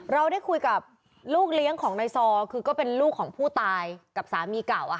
เราได้คุยกับลูกเลี้ยงของนายซอคือก็เป็นลูกของผู้ตายกับสามีเก่า